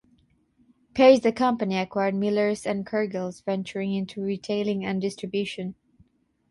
Page the company acquired Millers and Cargills venturing into retailing and distribution.